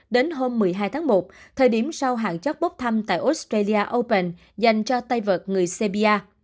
đến hôm một mươi hai tháng một thời điểm sau hàng chót bốc thăm tại australia open dành cho tay vợt người serbia